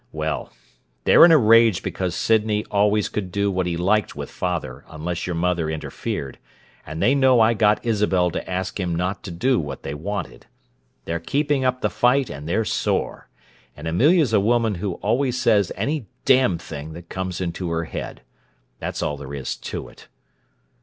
Well, they're in a rage because Sydney always could do what he liked with father unless your mother interfered, and they know I got Isabel to ask him not to do what they wanted. They're keeping up the fight and they're sore—and Amelia's a woman who always says any damn thing that comes into her head! That's all there is to it."